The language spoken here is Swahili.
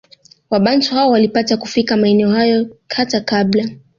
Wabantu hao walipata kufika maeneo hayo hata kabla